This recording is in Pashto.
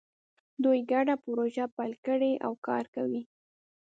دوی ګډه پروژه پیل کړې او کار کوي